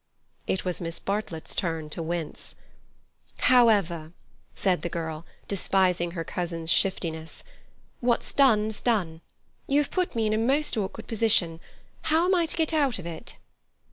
It was Miss Bartlett's turn to wince. "However," said the girl, despising her cousin's shiftiness, "What's done's done. You have put me in a most awkward position. How am I to get out of it?"